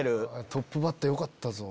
トップバッターよかったぞ。